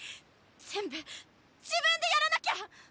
全部自分でやらなきゃ！